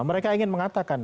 mereka ingin mengatakan